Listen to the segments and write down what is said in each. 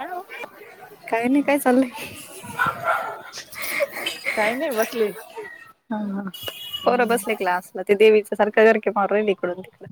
Hello! काय नाही काय चाललंय? काही नाही बसली. हा हा पोरं बसले क्लास मधे देवीच सारखं सारके मार ईकडून तिकड.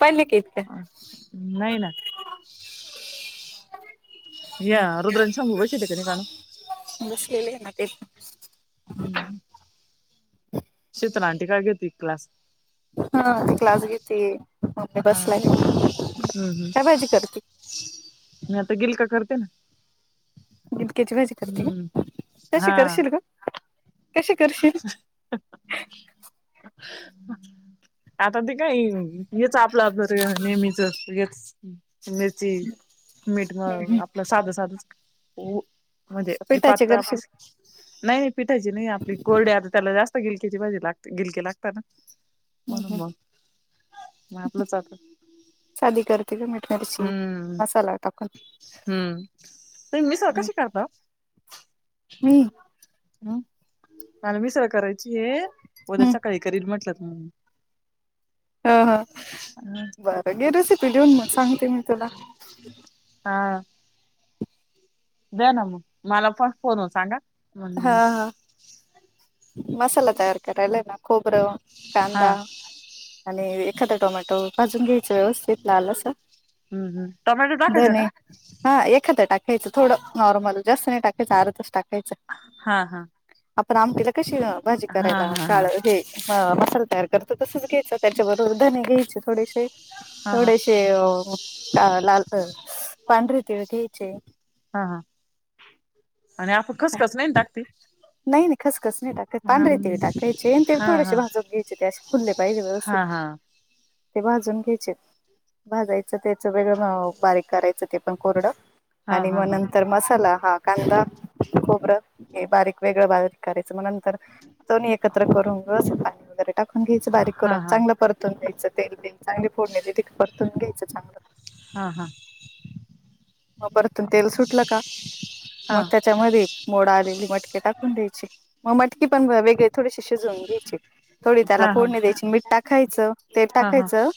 पहिले का इतक्या? नाही ना. या रुद्रा आणि शंभू [unintelligible] कान. बसलेले आहे ना [unintelligible] हम्म [unintelligible] [unintelligible] टी का घेती क्लास? हा क्लास घेते, मम्मी हा बसल्या हम्म निवांत. का हम् भाजी करते? मी आता गिलका करते ना. कची वजी [unintelligible] करते हम्म हा कशी करशील ग? कशी करशील [unintelligible] आता ते काय हेच आपला अभ. [unintelligible] ते नेहमीचत [unintelligible] मिरची मठ वा आप [unintelligible] आपलं साध साधच हो म्हणजे आपली पिठाची पातळ आपली करशील नाही नाही पिठायची. जे नाही आपली कोरडी आता त्याला जास्त गिलक्याची भाजी लागते, गिलके लागता ना. हम्म, म्हणून हम्म. मग मग आपलंच आता साधी करते ग मीठ, मिरची हम्म मसाला टाकून. हम्म तुम्ही मिसळ हम्म. कशी करता ओ? मी हम् मला मीसळ करायची आहे उद्या हम्म. सकाळी करीन म्हटलंत मग. ह हा बरं गे रेसिपी लीहुन मग सांगते मी तुला. हा. द्या ना मग [unintelligible] मला पण फोन हो सांगा. हा हा मसाला तयार करायला आहे ना, खोबरं, हा कांदा आणि एखादा टोमॅ त भाजून घ्यायच व्यवस्थित लाल अस हम्म हम्म टोमॅटो टाकायचा धणे का? हा एखादं टाकायचं, थोडं नॉर्मल जास्त नाही टाकायचं अर्धच टाकायचं. हा हा. आपण आमटीला कशी भाजी हा करायला हा हा काळ हे मसाला तयार करतो तसच घ्यायचं त्याच्याबरोबर धणे घ्यायचे थोडेशे हा हा थोडेशे अ लाल पांढरी तिळ घ्यायचे हा हा आणि आपो खसकस नाही ना टाकते? नाही नाही खसखस नाही टाकत. हा पांढरे तीळ टाकायचे आणि त्याला हा हा थोडेसे भाजूून घ्यायचे ते असे फुलले पाहिजे व्यवस्थित. हा हा ते भाजून घ्यायचेत भाजायचं तेन सगळे जण बारीक करायचं ते पण कोरडं हा आणि हा मग हा नंतर मसाला हा कांदा खोबरं हे बारीक वेगळं बारीक करायचं म नंतर दोन्ही एकत्र करून गस पाणी वगैरे टाकून घ्यायच्या बारीक हा हा करून हा चांगलं परतून घ्यायचं तेल बिन चांगली फोडणी दे तिक परतून घ्यायचं चांगलं. हां हां. म परतून तेल सुटलं का हा मग हा त्याच्यामध्ये मोडा आलेली मटके टाकून द्यायची. म मटकी पण व वेगळे थोडीशी शिजवून घ्यायची. थोडी त्याला हा फोडणी द्यायची, मीठ टाकायचं, तेल हा हा टाकायचं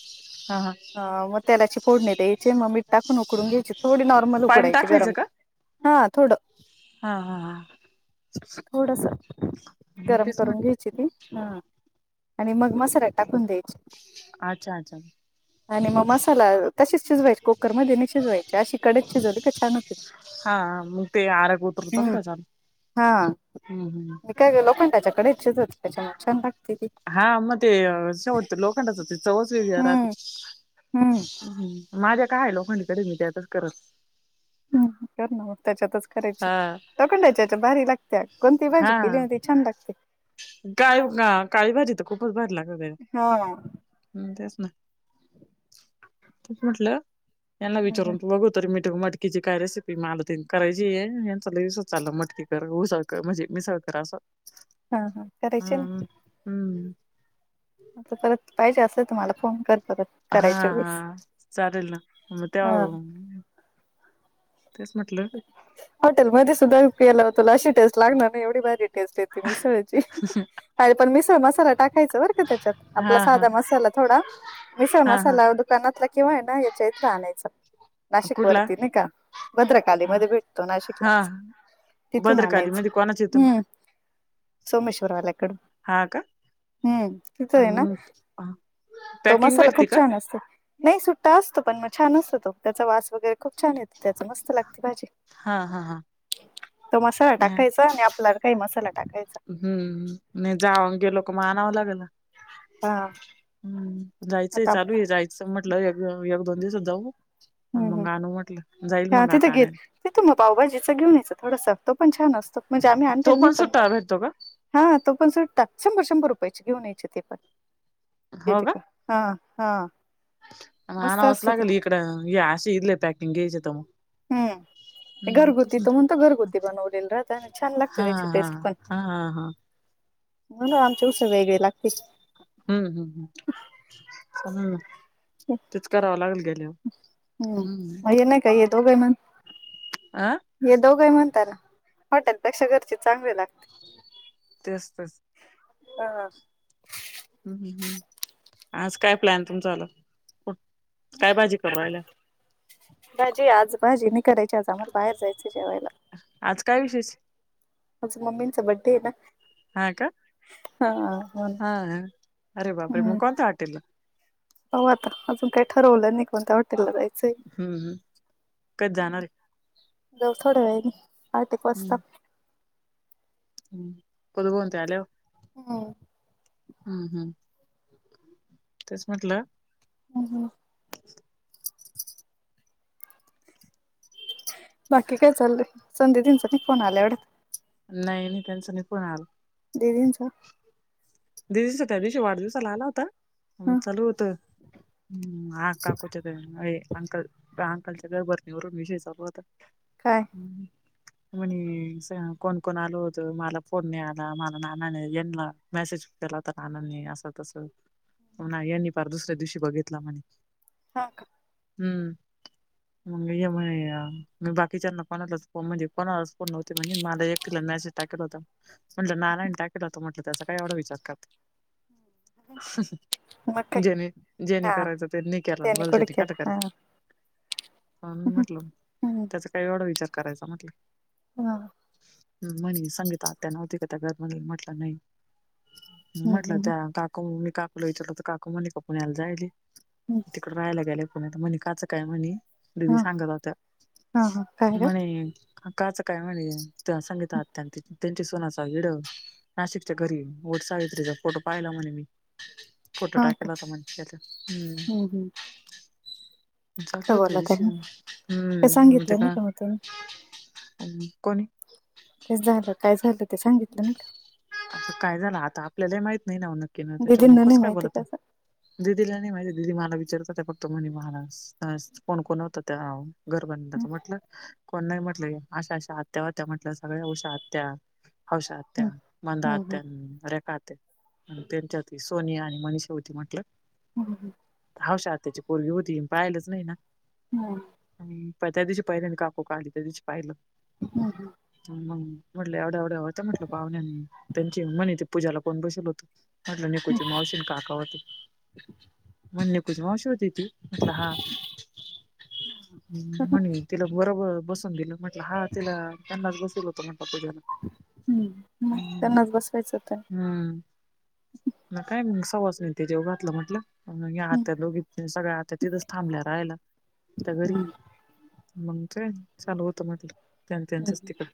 हा अ म तेलाची फोडणी द्यायची म मीठ टाकून उकडून घ्यायची थोडी नॉर्मल पाणी उकडायची टाकायचं गरम हा थोडं हां हां हां. थोडसा गरम तेच म्हण करून घ्यायची ती. हां.. आणि मग मसाल्यात टाकून द्यायची. अच्छा अच्छा. आणि मग मसाला तसेच शिजवायचे कुकर मध्ये, नाही शिजवायचे. अशी कडईत शिजवली का छान होते. हा मग ते आरगं उतरतं ना हम्म त्याच्यात हा. हम्म. हम्म. ते काय लोखंडाच्या कढईत शिजवतात तिच्यामुळे छान लागतो. हा म ते शेवटचं लोखंडाची चवच वेगळी राहती. हम्म हम्म माझ्या काय आहे लोखंडकडे मी त्यातच करत ह कर ना मग त्याच्यातच. करायची हा. लोखंडाच्या याच्यात भारी लागते, कोणती भाजी केली ना ती छान लागते. काय का काळी भाजी, तर खूपच भारी लागते हा तेच ना. [inaudible] तेच म्हटलं यांना विचारून तू बघू. तर मी मटकीची काय रेसिपी मला तेन करायची आहे. यांचा लय दिवसाच चाललं मटकी कर उसळ. म्हणजे मीसळ करा असं. हा हा, करायची हम्म ना. हम्म. आता परत पाहिजे असेल तुम्हाला फोन कर परत हा करायच्या हा वेळेस. चालेल ना, मग तेव्हा हा बघू. तेच म्हंटल हॉटेलमध्ये सुद्धा केल्यावर तुला अशी टेस्ट लागणार नाही एवढी [unintelligible] आणि पण मिसळ मसाला टाकायचा बर का त्याच्यात, हा आपला हा साधा मसाला थोडा. मिसळ हा हा. मसाला दुकानातला किंवा है ना ह्याच्या इथला आणायचा. कुठला नाशिकवरती नाही का भद्रकालीमध्ये भेटतो हा. नाशिकलाच, तिथून भद्रकाली आणायचं. मध्ये कोणाच्या इथून हम्म. सोमेश्वरवाल्याकडं. हा का हम्म, तिथं आहे ना मग तो पॅकिंग मसाला भेटती खूप का छान असतो. नाही सुट्टा असतो, पण मग छान असतो तो. त्याचा वास वगैरे खूप छान येतो त्याचा, मस्त लागते भाजी. हा हा हा. तो मसाला टाकायचा आणि आपल्या काही मसाला टाकायचा. हम्म नाही जाऊन गेलो का म आणावं लागल ना. हा. हम्म जायचंय आता चालू आहे जायचं म्हटलं, एक एक दोन दिवसात जाऊन येऊ. आन हम्म मग हम्म गाणं म्हटलं. जाईल हा मग तिथे आता घेत. आणायला तिथं मग पावभाजीचं घेऊन यायचं. थोडसं असतं पण छान असतं, म्हणजे आम्ही आणलेलं नाही पण मग. भरतो का? हा तो पण सुटतात शंभर, शंभर रुपयायची घेऊन यायचे ते पण. हांं हां. हा आणावच लागल इकडं हे अशी इथली पॅकिंग घ्यायची तर म. हम्म. घरगुती तो म्हणतो, घरगुती बनवलेली राहत आणि छान लागते हा त्याची हा टेस्ट पण. हा हा हा म्हणून आमचं ऊस वेगळे लागतील. हम्म हम् हम. तेच करावं लागल गेल्यावर. हम्म मग हेंना काय हे दोघंही म्हण अ हे दोघंही म्हणता ना, हॉटेलपेक्षा घरची चांगले लागते. तेच तेच. हा. [inaudible] हम्म हम्म हम्म. आज काय प्लॅन तुमचवालं, काय भाजी करु राहिला? भाजी आज भाजी नाय करायची आज आम्हाला, बाहेर जायचंय जेवायला. आज काय विशेष? आज मम्मींचा बड्डे आहे ना. हा कां. ह.. हा. अरे बापरे मग कोणता हॉटेलला? हो आता अजून काही ठरवलं नाही, कोणत्या हॉटेला जायचेय. हम्म हम्म कधी जाणार आहे जाऊ थोड्या वेळानी आठ एक वाजता. कोण कोणते आलं. हम्म. हम्म हम्म. तेच म्हटलं हम् हम. बाकी काय चाललंय. संध्याजींचा बी फोन आलाय वाटतं. नाही नाही त्यांचा नाही फोन आला दीदींचा? दिदीचा त्यांदिवशी वाढदिवसाला आला होता. हं ह चालू होतं, काकूच्या [unintelligible] अंकल त्या अंकलच्या घर भरणीवरून विषय चालू होता. काय? म्हणी कोण कोण आलं होतं, मला फोन नाही आला, मला नाना न येना मेसेज त्याला तर आनंद नाही आस तसं मग यांनी फार दुसऱ्या दिवशी बघितला म्हणे. हां का. हम्म. मग ये म्हणे मी बाकीच्यांना कोणालाच फोन म्हणजे कोणालाच फोन नव्हते म्हणजे मला एक तिला मेसेज टाकतं होता. म्हंटल नानान टाकिल होतं म्हटलं त्याचा काही एवढा विचार करता. मग काय ज्यांनी ज्यांनी हा करायचं, त्यानी केला त्याने कुठे बोलतेत कट केला हा करा. पण म्हटल हा त्याचा, काही एवढा विचार करायचा म्हटलं. हा. ह म्हणे सांगीता आत्या नव्हती का, त्या घर भरणी मी म्हटलं नाही. म्हटलं त्या काकु मी काकूला विचारलं तर काकू म्हणली की पुण्याला जायला. तिकड राहायला गेले, पुण्या तर म्हणे काचं काय म्हणे. दिदी हा सांगत होत्या. हा काय ग म्हणे आकाच काय म्हणे त्या सांगतात [unintelligible] त्यांची सुनाचा व्हिडीओ नाशिकच्या घरी आहे म्हणून. वट सावित्रीचा फोटो पाहिला म्हणे मी. फोटो हा का टाकला होता म्हणे त्याच हम्म. खोटं बोलत आहे ना काय सांगितलं नाही का मग तुम्ही [unintelligible] आणि कोण ये. तेच झालं काय झालं ते, सांगितलं नाही कां. असं काय झालं आता आपल्याला माहित नाही ना, नक्की ना का त्याच्यामुळ दिदींना नाही कसं काय माहिती बोलत. का दिदीला नाही माहिती दिदी मला विचारत होत्या, फक्त म्हणे मला कोण कोण होत त्या. घर बंद म्हटलं, कोण नाही म्हटलं अशा अशा आत्या होत्या म्हंटल. सगळ्या उषा आत्या हौसा आत्या, हम्म मंदा हम्म आत्या रेखा आत्या आणि तेच्यातली सोनीया आणि मनीषा होती म्हटलं. ह ह ह.. हावश्या आत्याची पोरगी होती, पाहिलंच नाही ना. हम्... आणि त्या दिवशी पाहिले काकू का, आली त्या दिशी पाहिलं. [inaudible] मग हटलं एवढ्या एवढ्या होत म्हटलं पाहुण्या, त्यांची म्हणे ते पूजाला कोण बसवलं होतं. म्हटलं निकूची मावशी काका होती, म्हणलं निकूची मावशी होती ती. म्हटलं हा, म्हणे तिला बरोबर बसून दिलं म्ह हा तिला त्यांनाच बसल होतो, म्हटल पूजेला. हम्म. मग त्यांनाच बसवायचं होतं. हम्म.. मग काय सुवासनी ते जेवू घातलं म्हटलं. आत्या दोघी सगळ्या, आत्या तिथंच थांबल्या राहाला त्या घरी. हम्म मग तेय चालू होत म्हटलं, त्यांच त्यांच तिकडं.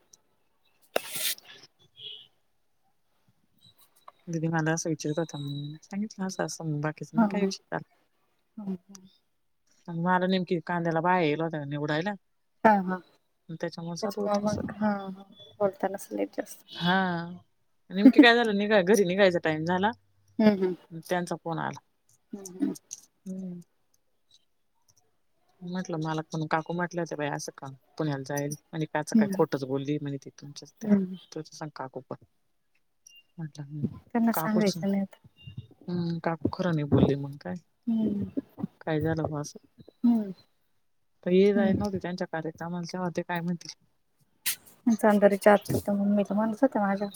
दिदी मला असं विचारत होता, म्हणून सांगितलं असं असं [unintelligible] कसल हा हा काही विस्तार. आणि मला नेमकी कांद्याला बाय येल होत निवडायला. हा हा.. त्याच्यामुळे चालू तेच्या होत मुळ अस मग ह.. ह.. बोलतान असं लै चं जास्त. निमकी काय झालं निघाय. घरी निघायचा टाइम झाला, हम्म त्यांचा फोन आला. हम्म हम.. म्हटलं मला कोणी काकू म्हटलं, तर असं का पुण्याला जाईल. आणि काच काय हम्म खोटंच बोलली म्हणे, ति तुमच्या आत्या हम्म हम्म तुच सांग काकूपण. म्हणलं हम.. त्यांना काकूच. सांगायचं नाही आता हम्.. काकू खरं नाही बोलली मग काय, हम्म काय झालं मग असं. हम्म हे जाय हम्म नव्हती तेच्या कार्यत माणसं होती काय म्हणतील. [unintelligible] तर म्हणत होते माझ्या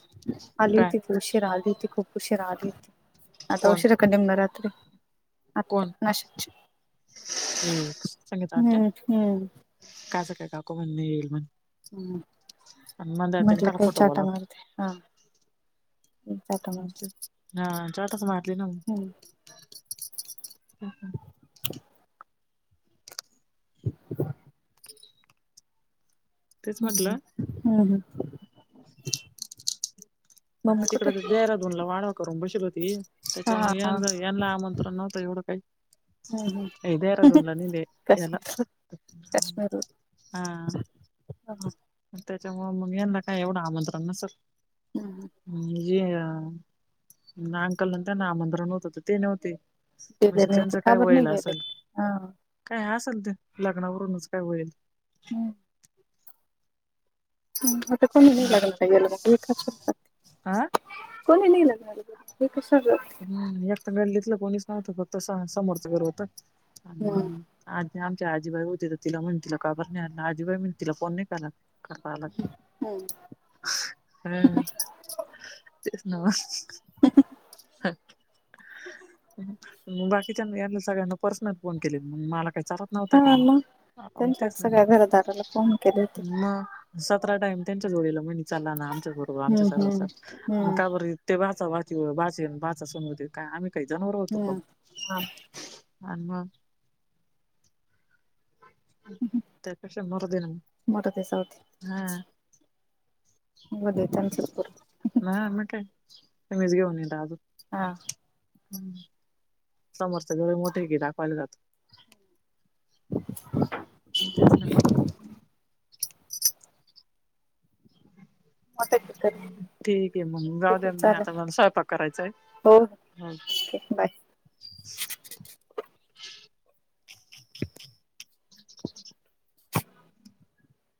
आली काय होती. उशीरा आली होती खूप उशीरा आली होती, आता कोण उशीरा कडेमना रात्री. आत्या कोण नाशिकची. हे सांगितलं आत्या हम्म.. हम्म.. कायचं काय काकु म्हणेल म्हण. हम्म आणि मला त्यांनी म्हटलं का काही खोटं चाटा बोलावं? मारते हा.. चाटा मारते हा.. चाटाच मारली ना मग. हम्म [inaudible] [inaudible] [inaudible] तेच म्हटलं हम् हम् हम. आता तिकडं देहरादोनला वाढव करून बसवली होती. हा तेच्यामुळे यान यांना, आमंत्रण नव्हतं एवढं काही. हम्म हम्म हे डेरादोनला नेले हेला, काश्मीर हा.. हा.. त्यांच्यामुळ मग यांना काय, एवढं आमंत्रण हम्म नसलं. जे ना अंकल आमंत्रण नव्हतं, तर ते नव्हते. गेले म्हणजे नाही ते त्यांचं का काय बर नाही व्हयल गेले असल, हा काय असेल ते लग्नावरूनच काय होईल. हम्.. आता कोणी नाही लग्नाला गेलं, एकाच शब्दात. हा कोणी नाही लग्नाला [unintelligible] एकच सगळं. ह एक तर गल्लीतली कोणीच नव्हतं, फक्त समोरचं घर होतं. हम्म आणि आ आमच्या आजीबाई होते तर तिला म्हण तिला काबर नाही आणलं, आजीबाई म्हण तिला फोन नाही कराला. करपाला हम्म हम्म तेच ना म. हं म बाकीच्यान याला सगळ्यांना पर्सनल फोन केलेली मला काय चारा नव्हतं हा मग का म त्यांच्या तेच ना सगळ्या घरदाराला फोन केले होते म. सतरा टाईम त्यांच्या जोडीला म्हणी चाला ना आमचास बरोबर आमच्या हम्म सरा सा हम्म मग काय हम्म बरी ते बाचा [unintelligible] बाचा सनवते काय आम्ही काही जनावर होतो पण. हम्म हा आणि मग त्या पेक्षा मरूदे ना मोठं ते जाऊदे मंग हां. मध्ये त्यांचाच कर. ना मग काय अमेज घेऊन येता अजून. हां. हम्म समोरचा घर मोठे आहे की दाखवायला जातं. [inaudible] म तेच ना. मोठं ठीक ठीक आहे मंग जाऊ द्या आहे मी चालेल आता मला स्वयंपाक करायचा हो ओके आहे हो. बाय.